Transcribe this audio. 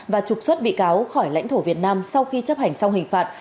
và trục xuất bị cáo khỏi lãnh thổ việt nam sau khi chấp hành xong hình phạt